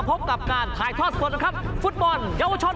พบกับทีมศูนย์ฝึกฟุตบอลเยาวชน